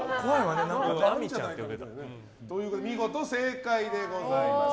見事正解でございます。